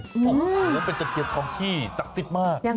โอ้โหถือว่าเป็นตะเคียนทองที่ศักดิ์สิทธิ์มาก